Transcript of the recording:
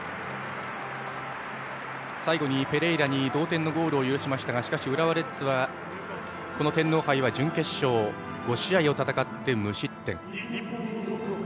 最後にペレイラに同点のゴールを許しましたがしかし、浦和レッズはこの天皇杯は準決勝まで５試合を戦って無失点。